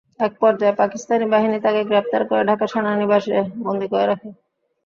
একপর্যায়ে পাকিস্তানি বাহিনী তাঁকে গ্রেপ্তার করে ঢাকা সেনানিবাসে বন্দী করে রাখে।